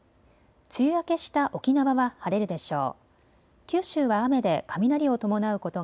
梅雨明けした沖縄は晴れるでしょう。